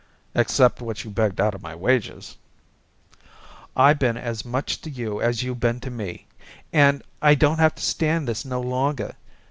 "Except what you begged out of my wages." "I been as much to you as you been to me and and I don't have to stand this no longer.